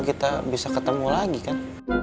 kita bisa ketemu lagi kan